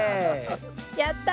やった！